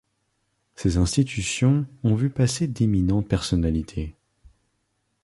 Ces institutions ont vu passer d'éminentes personnalités.